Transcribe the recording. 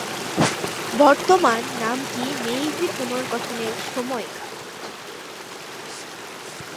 বর্তমান নামটি মেইজি পুনর্গঠনের সময়কার।